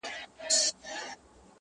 ښکاري کله وي په غم کي د مرغانو -